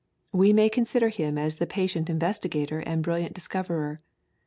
We may consider him as the patient investigator and brilliant discoverer.